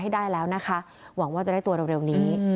ให้ได้แล้วนะคะหวังว่าจะได้ตัวเร็วนี้